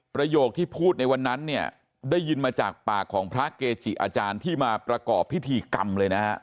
ประโยคที่พูดในวันนั้นเนี่ยได้ยินมาจากปากของพระเกจิอาจารย์ที่มาประกอบพิธีกรรมเลยนะฮะ